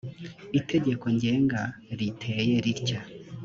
itegeko ngenga riteye ritya